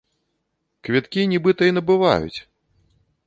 Квіткі нібыта і набываюць.